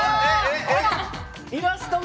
イラストが！